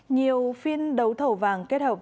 nhiều phiên đấu thẩu vàng kết hợp